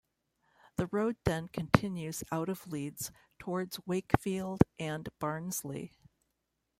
The road then continues out of Leeds towards Wakefield and Barnsley.